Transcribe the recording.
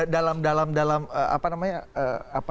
dalam dalam apa namanya